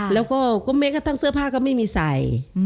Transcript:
แล้วก็แม้กระทั่งเสื้อผ้าก็ไม่มีใส่